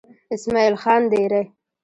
اسمعيل خان ديره